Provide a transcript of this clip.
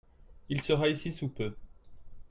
Il sera ici sous peu.